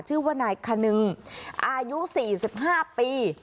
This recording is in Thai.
ชื่อว่านายคนึงอายุ๔๕ปี